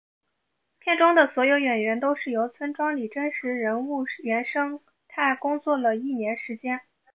片中的所有演员都是由村庄里的真实人物原生态工作了一年时间。